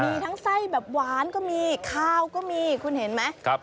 มีทั้งไส้แบบหวานก็มีข้าวก็มีคุณเห็นไหม